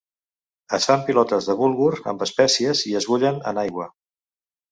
Es fan pilotes de bulgur amb espècies i es bullen en aigua.